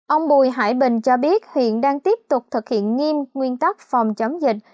ông bùi hải bình cho biết hiện đang tiếp tục thực hiện nghiêm nguyên tắc phòng chống dịch